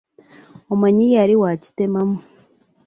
Omanyi yali wa kitemamu.